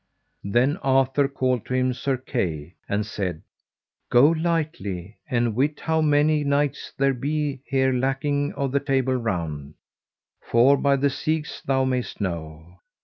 Then Arthur called to him Sir Kay and said: Go lightly and wit how many knights there be here lacking of the Table Round, for by the sieges thou mayst know.